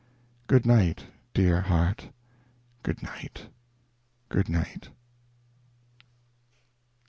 Good night, dear heart, good night, good night.